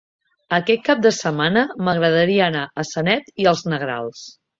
Aquest cap de setmana m'agradaria anar a Sanet i els Negrals.